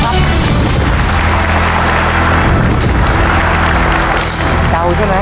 ตัวเลือกที่๒